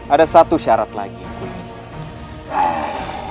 ada satu syarat lagi yang aku ingin